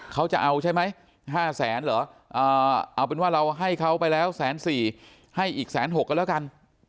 เขาจะเอาใช่ไหม๕แสนเหรอเอาเป็นว่าเราให้เขาไปแล้วแสนสี่ให้อีก๑๖๐๐ก็แล้วกัน